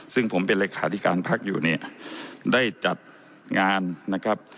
ซึ่งผมเป็นเลขาธิการพักอยู่เนี่ยได้จัดงานนะครับ